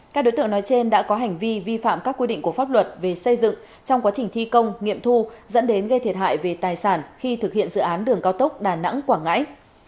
các đối tượng nói trên đã có hành vi vi phạm các quy định của pháp luật về xây dựng trong quá trình thi công nghiệm thu dẫn đến gây thiệt hại về tài sản khi thực hiện dự án đường cao tốc đà nẵng quảng ngãi